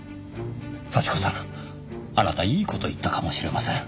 幸子さんあなたいい事言ったかもしれません。